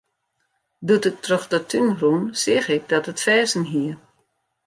Doe't ik troch de tún rûn, seach ik dat it ferzen hie.